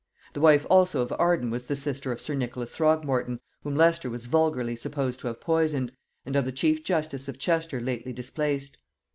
The wife also of Arden was the sister of sir Nicholas Throgmorton, whom Leicester was vulgarly supposed to have poisoned, and of the chief justice of Chester lately displaced.